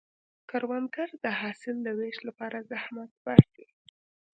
کروندګر د حاصل د ویش لپاره زحمت باسي